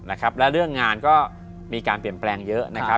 และเรื่องงานก็มีการเปลี่ยนแปลงเยอะนะครับ